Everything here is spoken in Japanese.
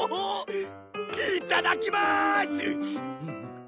いただきまーす！